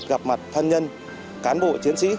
gặp mặt thân nhân cán bộ chiến sĩ